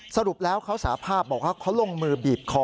สรุปแล้วเขาสาภาพบอกว่าเขาลงมือบีบคอ